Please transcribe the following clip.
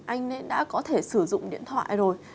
anh ấy đã có thể sử dụng điện thoại rồi